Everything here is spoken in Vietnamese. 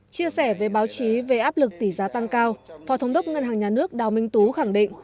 chia sẻ với báo chí về áp lực tỷ giá tăng cao phó thống đốc ngân hàng nhà nước đào minh tú khẳng định